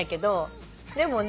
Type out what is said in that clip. でもね